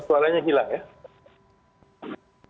suaranya hilang ya